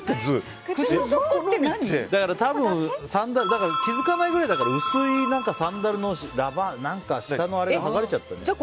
多分、気づかないぐらいだから薄いサンダルのラバー下のあれが剥がれちゃったのかな。